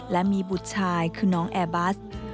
และมีบุตรชายคือน้องแอร์บัส